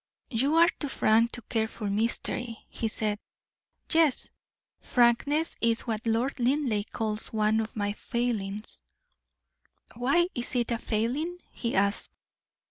"You are too frank to care for mystery," he said. "Yes, frankness is what Lord Linleigh calls one of my failings." "Why is it a failing?" he asked.